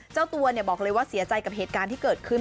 เจ้าตัวบอกเลยว่าเสียใจกับเหตุการณ์ที่เกิดขึ้น